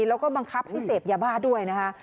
แล้วก็บังคับให้เสพยาบ้าด้วยนะคะ